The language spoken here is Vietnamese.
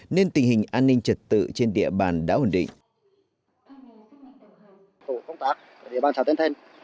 nên tình hình an ninh trật tự trên địa bàn đã ổn định